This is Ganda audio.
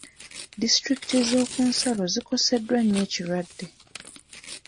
Disitulikiti z'okunsalo zikoseddwa nnyo ekirwadde.